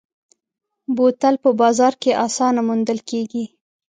بوتل په بازار کې اسانه موندل کېږي.